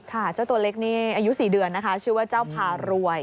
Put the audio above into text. เจ้าตัวเล็กนี่อายุ๔เดือนนะคะชื่อว่าเจ้าพารวย